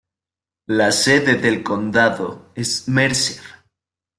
La sede del condado es Mercer.